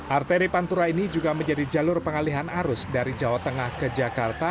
arteri pantura ini juga menjadi jalur pengalihan arus dari jawa tengah ke jakarta